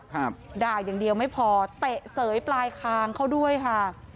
ครับด่าอย่างเดียวไม่พอเตะเสยปลายคางเขาด้วยค่ะ